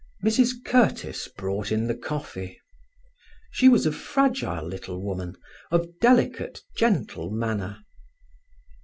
Mrs Curtiss brought in the coffee. She was a fragile little woman, of delicate, gentle manner.